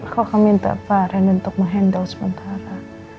kau akan minta pak ren untuk mengendal sementara